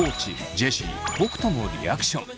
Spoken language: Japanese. ジェシー北斗のリアクション。